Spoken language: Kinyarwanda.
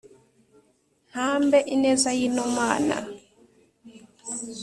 ntambe ineza y’ino mana